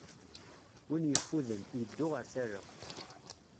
Win yeffuden, yeddu ar tala.